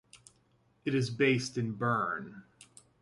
It is based in Bern.